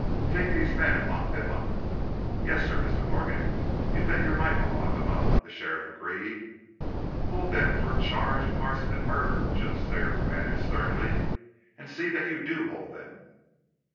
"Take these men and lock them up!" "Yes, sir, Mr. Morgan, you bet your life I'll lock 'em up!" the sheriff agreed. "Hold them for a charge of arson and murder," Judge Thayer commanded sternly. "And see that you do hold them!"